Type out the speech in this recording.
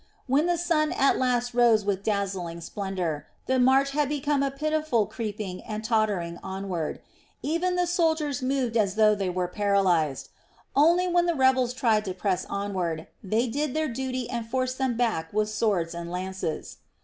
When the sun at last rose with dazzling splendor, the march had become a pitiful creeping and tottering onward. Even the soldiers moved as though they were paralysed. Only when the rebels tried to press onward, they did their duty and forced them back with swords and lances.